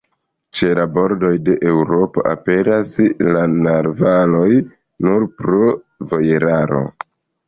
Ĉe la bordoj de Eŭropo aperas la narvaloj nur pro vojeraro.